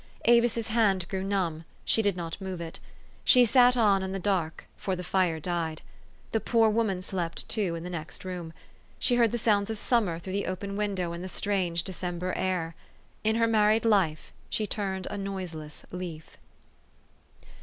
Avis's hand grew numb : she did not move it. She sat on in the dark, for the fire died. The poor woman slept, too, in the next room. She heard the sounds of summer through the open window in the strange December air. In her married life she turned a noiseless leaf.